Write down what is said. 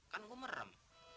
kan gua merem